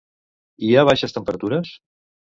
Hi ha baixes temperatures?